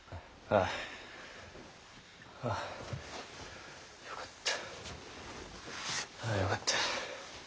あよかった。